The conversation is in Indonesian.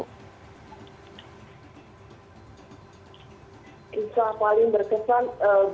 kisah paling berkesan